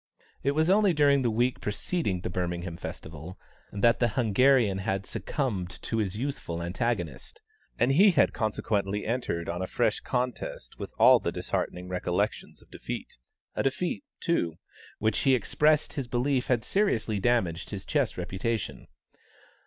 It was only during the week preceding the Birmingham Festival, that the Hungarian had succumbed to his youthful antagonist, and he had consequently entered on a fresh contest with all the disheartening recollections of defeat; a defeat, too, which he expressed his belief had seriously damaged his chess reputation.